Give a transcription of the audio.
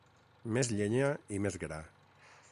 Més llenya i més gra